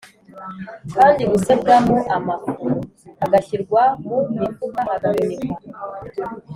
kandi gusebwamo amafu, agashyirwa mu mifuka, agahunikwa.